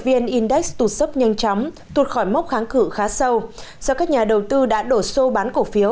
viên index tụt sấp nhanh chóng tụt khỏi mốc kháng cử khá sâu do các nhà đầu tư đã đổ xô bán cổ phiếu